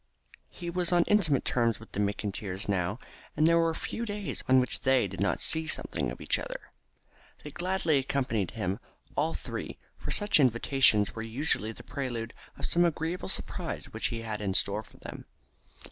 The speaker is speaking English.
He was on intimate terms with the McIntyres now, and there were few days on which they did not see something of each other. They gladly accompanied him, all three, for such invitations were usually the prelude of some agreeable surprise which he had in store for them.